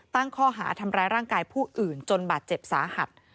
ตั้งข้อหาทำร้ายร่างกายผู้อื่นจนบาดเจ็บสาหัส